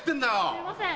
すいません。